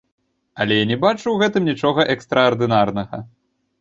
Але я не бачу ў гэтым нічога экстраардынарнага.